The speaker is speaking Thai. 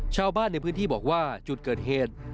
ชาวบ้านในพื้นที่บอกว่าจุดเกิดเหตุ